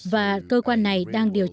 và cơ quan này đang điều trị